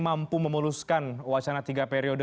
mampu memuluskan wacana tiga periode